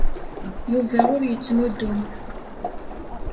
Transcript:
Yuba ur yettnuddum.